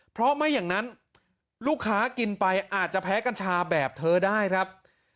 เพราะไม่อย่างนั้นลูกค้ากินไปอาจจะแพ้กัญชาแบบเธอได้ครับ